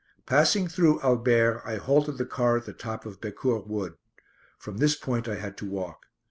Passing through Albert, I halted the car at the top of Becourt Wood. From this point I had to walk.